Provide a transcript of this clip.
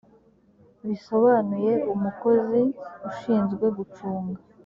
bisobanuye umukozi ushinzwe gucunga